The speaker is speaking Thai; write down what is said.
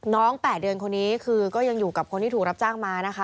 ๘เดือนคนนี้คือก็ยังอยู่กับคนที่ถูกรับจ้างมานะคะ